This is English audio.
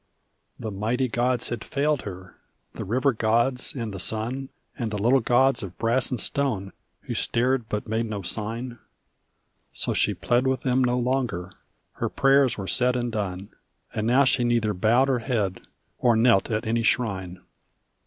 The mighty gods had failed her the river gods and the sun, And the little gods of brass and stone who stared but made no sign, So she pled with them no longer, her prayers were said and done, And now she neither bowed her head, or knelt at any shrine.